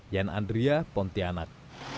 yan andria pontianak